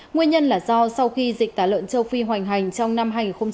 nguyên nhân là do sau khi dịch tả lợn châu phi hoành hành trong năm hai nghìn một mươi bảy